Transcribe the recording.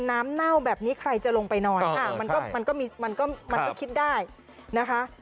น้ำเน่าแบบนี้ใครจะลงไปนอนมันก็คิดได้นะคะ